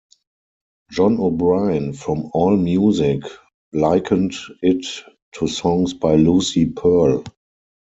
Jon O'Brien from AllMusic likened it to songs by Lucy Pearl.